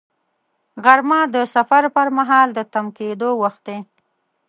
غرمه د سفر پر مهال د تم کېدو وخت دی